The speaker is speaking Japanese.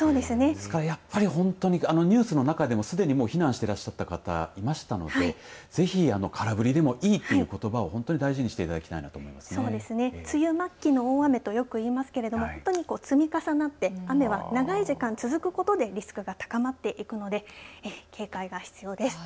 ですからやっぱり本当にニュースの中でもすでに避難していらっしゃった方いましたのでぜひ空振りでもいいということばを本当に大事にしていただきたい梅雨末期の大雨とよく言いますけど本当に積み重なって雨は長い時間続くことでリスクが高まっていくので警戒が必要です。